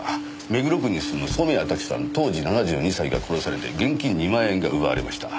目黒区に住む染谷タキさん当時７２歳が殺されて現金２万円が奪われました。